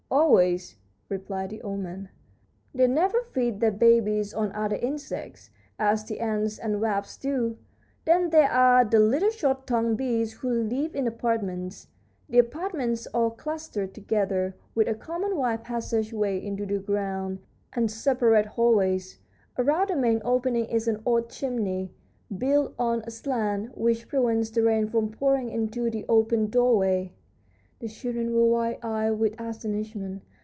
"Always," replied the old man. "They never feed their babies on other insects, as the ants and wasps do. Then there are the little short tongued bees who live in apartments, the apartments all clustered together, with a common wide passageway into the ground and separate hallways. Around the main opening is an odd chimney, built on a slant, which prevents the rain from pouring into the open doorway." The children were wide eyed with astonishment.